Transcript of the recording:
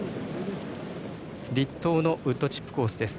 栗東のウッドチップ・コースです。